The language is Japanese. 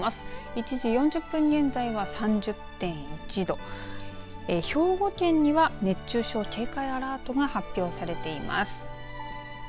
１時４０分現在は３０．１度兵庫県には熱中症警戒アラートが発表されています。